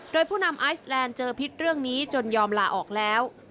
โดยผู้นำไอซแลนด์เจอพิษเรื่องนี้จนยอมลาออกแล้ว